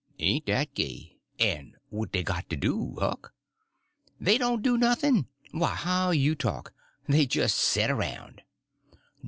"Ain'' dat gay? En what dey got to do, Huck?" "They don't do nothing! Why, how you talk! They just set around."